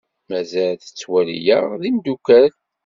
Mazal tettwali-aɣ d imeddukal.